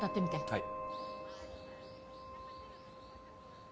はい。